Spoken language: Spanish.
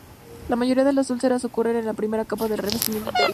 La mayoría de las úlceras ocurren en la primera capa del revestimiento interior.